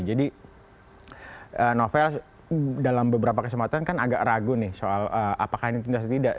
jadi novel dalam beberapa kesempatan kan agak ragu nih soal apakah ini tindas atau tidak